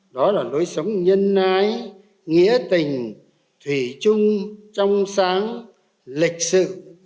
đó là lối sống nhân ái nghĩa tình thủy chung trong sáng lịch sự